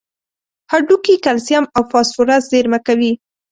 هډوکي کلسیم او فاسفورس زیرمه کوي.